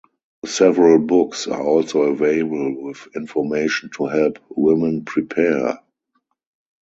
Several books are also available with information to help women prepare.